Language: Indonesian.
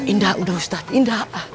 indah udah ustadz indah